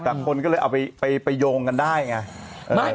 สักคนก็เลยเอาไปโยงกันได้อย่างนี้